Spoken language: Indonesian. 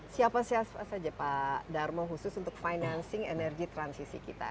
siapa saja pak darmo khusus untuk financing energy transition kita